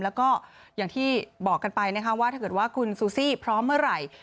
แล้วก็อย่างที่บอกกันไปนะคะว่าถ้าเกิดว่าคุณซูซี่พร้อมเมื่อไหร่